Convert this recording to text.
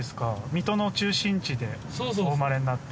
水戸の中心地でお生まれになって。